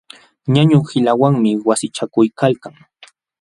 Ñañu qiluwanmi wasichakuykalkan.